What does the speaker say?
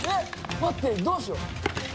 待って、どうしよう。